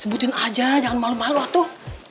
sebutin aja jangan malu malu tuh